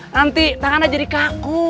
nanti tangannya jadi kaku